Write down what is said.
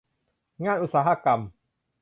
งานอุตสาหกรรม